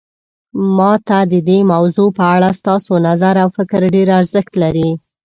ما ته د دې موضوع په اړه ستاسو نظر او فکر ډیر ارزښت لري